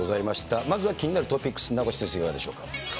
まずは気になるトピックス、名越先生、いかがでしょうか。